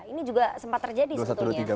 ini juga sempat terjadi sebetulnya